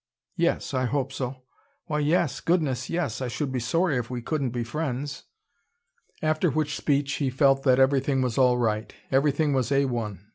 "Yes, I hope so. Why, yes! Goodness, yes! I should be sorry if we couldn't be friends." After which speech he felt that everything was all right everything was A one.